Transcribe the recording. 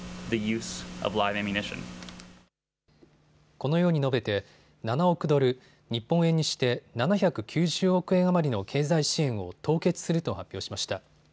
このように述べて７億ドル、日本円にして７９０億円余りの経済支援を凍結すると発表しました。